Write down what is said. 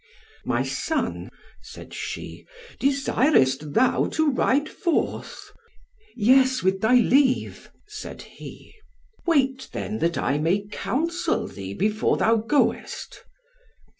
"My son," said she, "desirest thou to ride forth?" "Yes, with thy leave," said he. "Wait then, that I may counsel thee before thou goest."